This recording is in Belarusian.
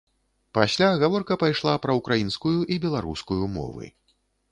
Пасля гаворка пайшла пра ўкраінскую і беларускую мовы.